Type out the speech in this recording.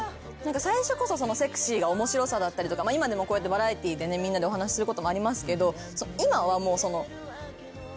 最初こそそのセクシーが面白さだったりとか今でもこうやってバラエティーでお話しすることもありますけど今はもう。